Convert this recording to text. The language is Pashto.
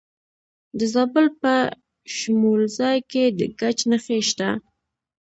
د زابل په شمولزای کې د ګچ نښې شته.